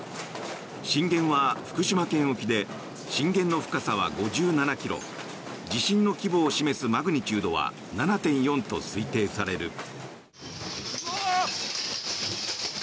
震源は福島県沖で震源の深さは５７ｋｍ地震の規模を示すマグニチュードは７．４と推定される。